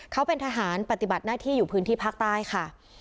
เขาเป็นทหารปฏิบัติหน้าที่อยู่พื้นที่ภาคใต้ค่ะ